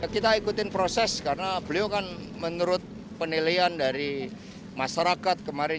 kita ikutin proses karena beliau kan menurut penilaian dari masyarakat kemarin